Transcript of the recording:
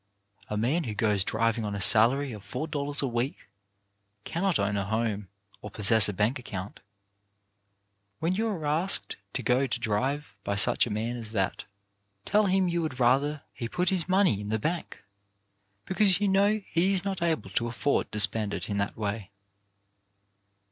A man who goes driving on a salary of four dollars a week cannot own a home or pos sess a bank account. When you are asked to go to drive by such a man as that, tell him you would rather he would put his money in the bank, be cause you know he is not able to afford to spend it in that way.